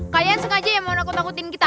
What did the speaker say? kayaknya sengaja yang mau nakut nakutin kita